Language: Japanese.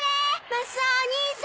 マスオお兄さん！